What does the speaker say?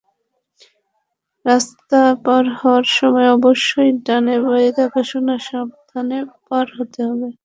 রাস্তা পার হওয়ার সময় অবশ্যই ডানে-বাঁয়ে দেখেশুনে সাবধানে পার হতে হবে।